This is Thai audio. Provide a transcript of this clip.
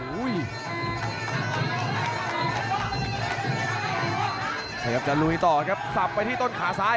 อื้อหือจังหวะขวางแล้วพยายามจะเล่นงานด้วยซอกแต่วงใน